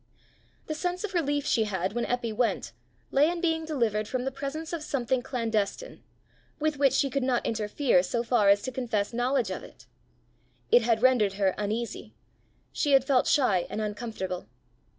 The sense of relief she had when Eppy went, lay in being delivered from the presence of something clandestine, with which she could not interfere so far as to confess knowledge of it. It had rendered her uneasy; she had felt shy and uncomfortable.